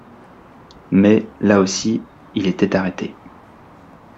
Mais, là aussi, il était arrêté.